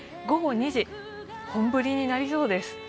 午後２時、本降りになりそうです。